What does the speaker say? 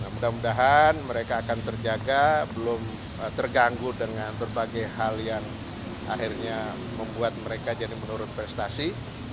mudah mudahan mereka akan terjaga belum terganggu dengan berbagai hal yang akhirnya membuat mereka jadi menurun prestasi